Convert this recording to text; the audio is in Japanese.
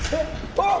あっ！